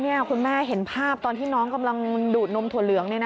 นี่คุณแม่เห็นภาพตอนที่น้องกำลังดูดนมถั่วเหลือง